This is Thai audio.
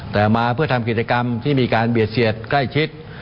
แต่มาเพื่อทำกิจกรรมที่มีการเบียดเสียดใกล้ชิด